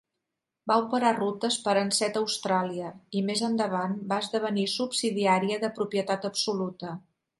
Va operar rutes per a Ansett Australia i, més endavant, va esdevenir subsidiària de propietat absoluta.